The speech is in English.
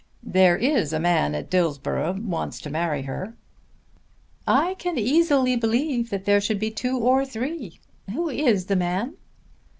"There is a man at Dillsborough wants to marry her." "I can easily believe that there should be two or three. Who is the man?"